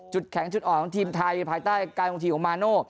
แข็งจุดอ่อนของทีมไทยภายใต้การบางทีของมาโน่